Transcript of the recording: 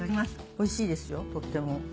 おいしいですよとっても。